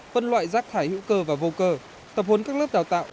phân loại rác thải hữu cơ và vô cơ tập huấn các lớp đào tạo